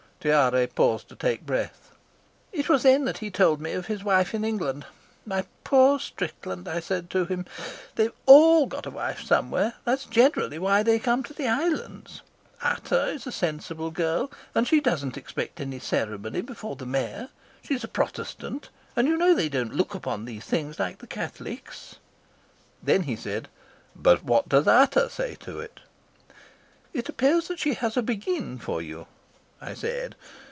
Tiare paused to take breath. "It was then he told me of his wife in England. 'My poor Strickland,' I said to him, 'they've all got a wife somewhere; that is generally why they come to the islands. Ata is a sensible girl, and she doesn't expect any ceremony before the Mayor. She's a Protestant, and you know they don't look upon these things like the Catholics.' "Then he said: 'But what does Ata say to it?' 'It appears that she has a for you,' I said.